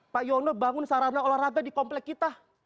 pak yono bangun sarana olahraga di komplek kita